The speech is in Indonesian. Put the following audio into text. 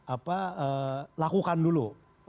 apa lakukan dulu